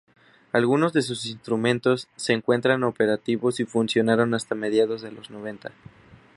Algunos de sus instrumentos se encuentran operativos y funcionaron hasta mediados de los noventa.